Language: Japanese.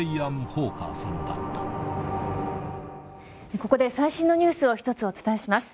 ここで最新のニュースを１つお伝えします。